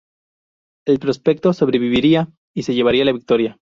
El prospecto sobreviviría y se llevaría la victoria.